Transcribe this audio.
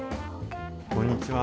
こんにちは。